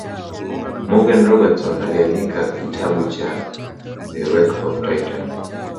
Morgan Robertson aliandika kitabu cha The Wreck Of Titan